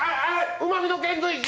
うまみの遣隋使！